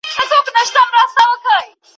څومره غښتلی څومره بېباکه